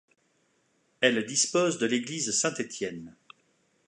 Elle dispose de l'église Saint-Étienne.